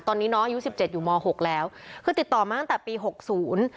ตอนนี้น้องอายุสิบเจ็ดอยู่มหกแล้วคือติดต่อมาตั้งแต่ปีหกศูนย์